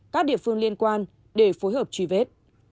các địa phương liên quan để phối hợp truy vết